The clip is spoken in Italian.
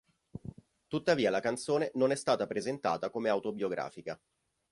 Tuttavia la canzone non è stata presentata come autobiografica.